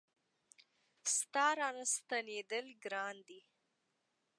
ستا را ستنېدل ګران دي